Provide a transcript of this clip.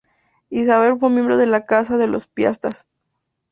Isabel fue miembro de la Casa de los Piastas.